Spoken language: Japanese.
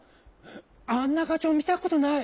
あんながちょうみたことない。